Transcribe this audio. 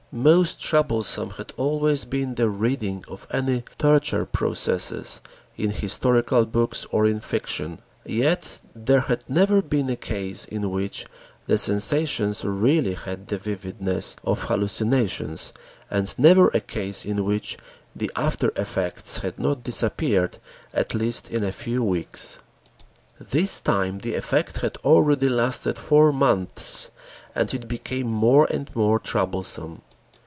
Most troublesome had always been the reading of any torture processes in historical books or in fiction. Yet there had never been a case in which the sensations really had the vividness of hallucinations and never a case in which the after effects had not disappeared at least in a few weeks. This time the effect had already lasted four months and it became more and more troublesome.